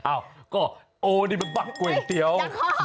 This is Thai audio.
อ้าวก็โอ้วนี่มันบักกว่าเตี๋ยว